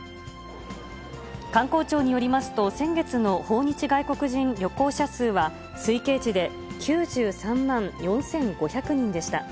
観光庁によりますと、先月の訪日外国人旅行者数は、推計値で９３万４５００人でした。